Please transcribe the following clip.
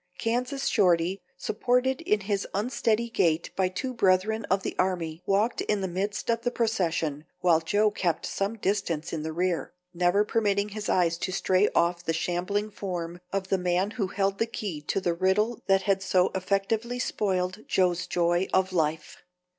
Kansas Shorty, supported in his unsteady gait by two brethren of the Army, walked in the midst of the procession, while Joe kept some distance in the rear, never permitting his eyes to stray off the shambling form of the man who held the key to the riddle that had so effectively spoiled Joe's joy of life.